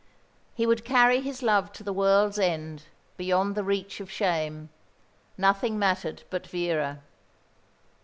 He would carry his love to the world's end, beyond the reach of shame. Nothing mattered but Vera.